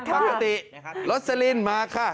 ภูติศักดิ์ลดเซลินมาค่ะ